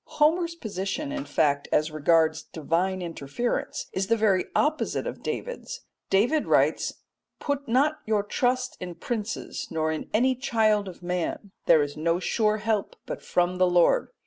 Homer's position, in fact, as regards divine interference is the very opposite of David's. David writes, "Put not your trust in princes nor in any child of man; there is no sure help but from the Lord."